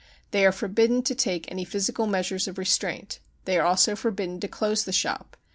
They are forbidden to take any physical measures of restraint. They are also forbidden to close the shop.